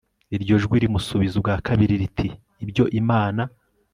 iryo jwi rimusubiza ubwa kabiri riti ibyo imana